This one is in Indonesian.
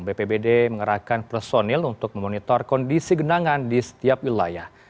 bpbd mengerahkan personil untuk memonitor kondisi genangan di setiap wilayah